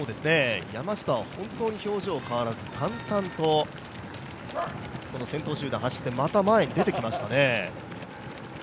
山下は本当に表情が変わらず、淡々と先頭集団走って、また前に出てきましたね。